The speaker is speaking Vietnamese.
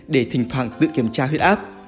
để thỉnh thoảng tự kiểm tra huyết áp